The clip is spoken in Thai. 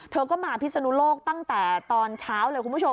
เธอก็มาพิศนุโลกตั้งแต่ตอนเช้าเลยคุณผู้ชม